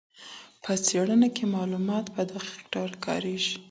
په څېړنه کي معلومات په دقیق ډول کاریږي.